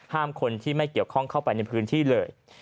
คนที่ไม่เกี่ยวข้องเข้าไปในพื้นที่เลย